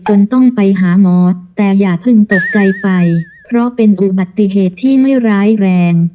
ต้องไปหาหมอแต่อย่าเพิ่งตกใจไปเพราะเป็นอุบัติเหตุที่ไม่ร้ายแรง